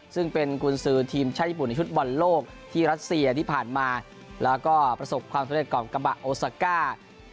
ซึ่งเป็นกุญสือทีมชาติญี่ปุ่นในชุดบอลโลกที่รัสเซียที่ผ่านมาแล้วก็ประสบความสำเร็จกับกระบะโอซาก้า